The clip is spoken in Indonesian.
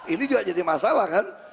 ini juga jadi masalah kan